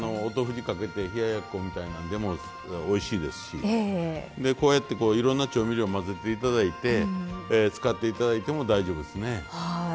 お豆腐にかけて冷ややっこみたいなんでもおいしいですしこうやっていろんな調味料混ぜて頂いて使って頂いても大丈夫ですね。